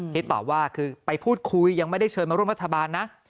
ตอบว่าคือไปพูดคุยยังไม่ได้เชิญมาร่วมรัฐบาลนะ